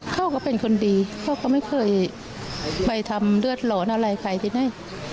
เขาก็เป็นคนดีเขาก็ไม่เคยไปทำเลือดหลอนอะไรใครที่ไหน